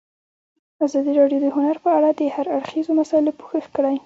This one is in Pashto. ازادي راډیو د هنر په اړه د هر اړخیزو مسایلو پوښښ کړی.